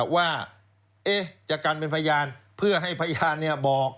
ว่าจะกันเป็นพยานเพื่อให้พยานบอก